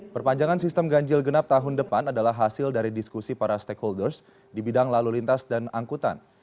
perpanjangan sistem ganjil genap tahun depan adalah hasil dari diskusi para stakeholders di bidang lalu lintas dan angkutan